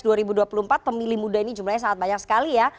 di muda ini jumlahnya sangat banyak sekali ya